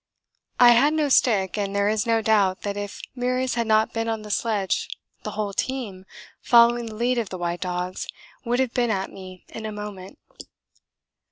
I had no stick and there is no doubt that if Meares had not been on the sledge the whole team, following the lead of the white dogs, would have been at me in a moment.